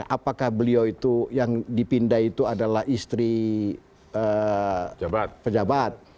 apakah beliau itu yang dipindah itu adalah istri pejabat